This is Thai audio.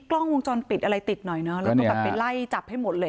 กล้องวงจรปิดอะไรติดหน่อยเนอะแล้วก็แบบไปไล่จับให้หมดเลย